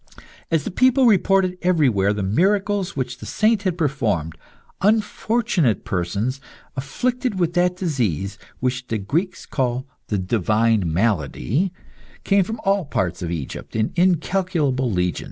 As the people reported everywhere the miracles which the saint had performed, unfortunate persons afflicted with that disease which the Greeks call "the divine malady," came from all parts of Egypt in incalculable legions.